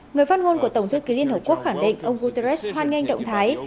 người phát ngôn của tổng thư ký liên hợp quốc khẳng định ông guterres hoan nghênh động thái